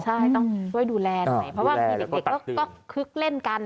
ใช่ต้องช่วยดูแลหน่อยเพราะว่าบางทีเด็กก็คึกเล่นกัน